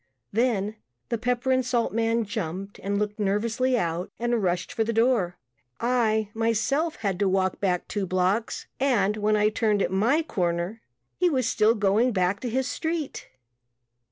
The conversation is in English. Then the pepper and salt man jumped and looked nervously out and rushed for the door. I, myself, had to walk back two blocks and when I turned at my corner he was still going back to his street.